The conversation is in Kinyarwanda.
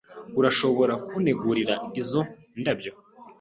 Urashobora kuntegurira izo ndabyo?